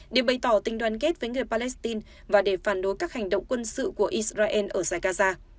để bày tỏ tình đoàn kết với người palestine và để phản đối các hành động quân sự của israel ở zagaza